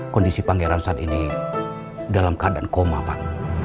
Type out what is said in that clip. kondisi pangeran saat ini dalam keadaan koma pak